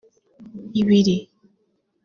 ibiri